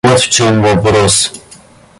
Вот в чем вопрос!